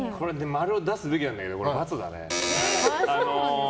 ○を出すべきなんだけど×だね。